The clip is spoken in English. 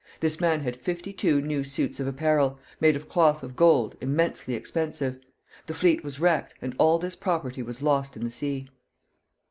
This man had fifty two new suits of apparel, made of cloth of gold, immensely expensive. The fleet was wrecked, and all this property was lost in the sea.